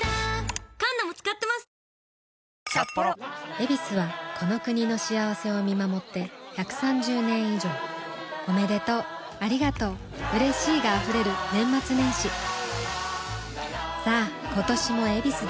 「ヱビス」はこの国の幸せを見守って１３０年以上おめでとうありがとううれしいが溢れる年末年始さあ今年も「ヱビス」で